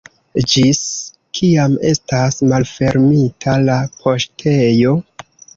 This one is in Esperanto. Ĝis kiam estas malfermita la poŝtejo?